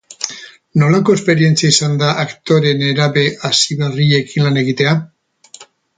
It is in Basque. Nolako esperientzia izan da aktore nerabe hasiberriekin lan egitea?